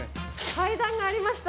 階段がありました。